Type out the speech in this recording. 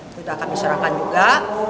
itu akan diserahkan juga